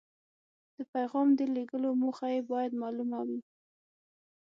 د پیغام د لیږلو موخه یې باید مالومه وي.